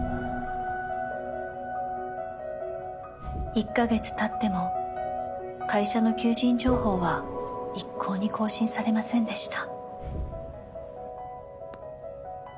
１カ月たっても会社の求人情報は一向に更新されませんでした。